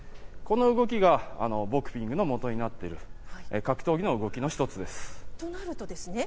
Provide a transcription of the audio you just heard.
この動きが、ボクピングのもとになっている、格闘技の動きの一つです。